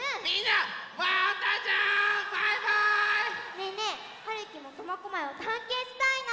ねえねえはるきも苫小牧をたんけんしたいな。